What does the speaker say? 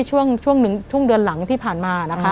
ช่วงเดือนหลังที่ผ่านมานะคะ